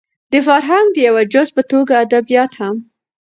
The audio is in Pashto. د فرهنګ د يوه جز په توګه ادبيات هم